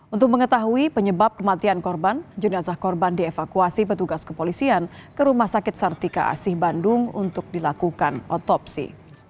untuk mengetahui penyebab kematian korban jenazah korban dievakuasi petugas kepolisian ke rumah sakit sartika asih bandung untuk dilakukan otopsi